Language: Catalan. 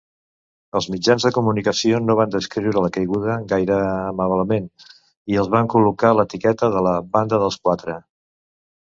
Els mitjans de comunicació no van descriure la caiguda gaire amablement, i els van col·locar l'etiqueta de la "Banda dels quatre".